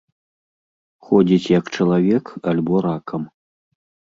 Ходзіць як чалавек альбо ракам.